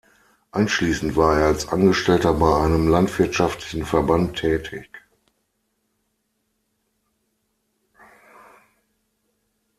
Anschließend war er als Angestellter bei einem landwirtschaftlichen Verband tätig.